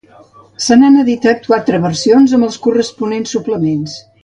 Se n'han editat quatre versions amb els corresponents suplements.